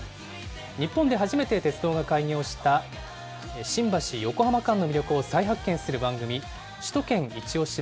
日本で初めて鉄道が開業した、新橋・横浜間の魅力を再発見する番組、首都圏いちオシ！